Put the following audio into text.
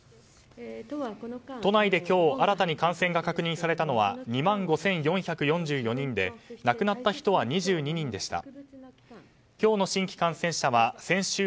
都内で今日新たに感染が確認されたのは２万５４４４人で亡くなった人は２２人でした。